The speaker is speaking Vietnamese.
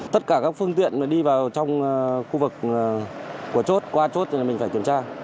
tất cả các phương tiện đi vào trong khu vực của chốt qua chốt mình phải kiểm tra